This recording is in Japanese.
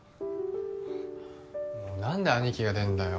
もう何で兄貴が出んだよ